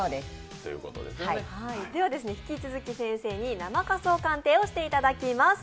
引き続き先生に生家相鑑定をしていただきます。